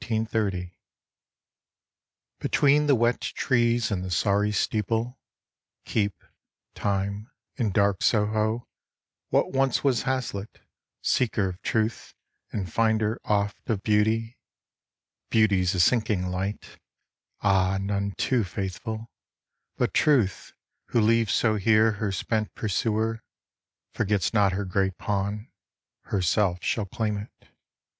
1778 1830_ BETWEEN the wet trees and the sorry steeple, Keep, Time, in dark Soho, what once was Hazlitt, Seeker of Truth, and finder oft of Beauty; Beauty 's a sinking light, ah, none too faithful; But Truth, who leaves so here her spent pursuer, Forgets not her great pawn: herself shall claim it.